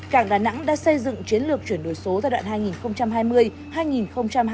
cảng đà nẵng đã xây dựng chiến lược chuyển đổi số giai đoạn hai nghìn hai mươi hai nghìn hai mươi năm